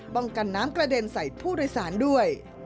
กันน้ำกระเด็นใส่ผู้โดยสารด้วย